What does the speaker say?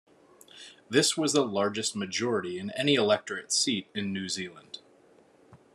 This was the largest majority in any electorate seat in New Zealand.